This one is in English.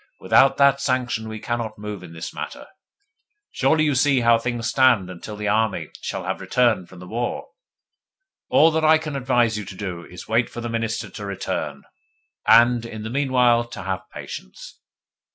Without that sanction we cannot move in the matter. Surely you see how things stand until the army shall have returned from the war? All that I can advise you to do is wait for the Minister to return, and, in the meanwhile, to have patience.